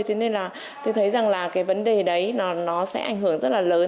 thế nên là tôi thấy rằng là cái vấn đề đấy nó sẽ ảnh hưởng rất là lớn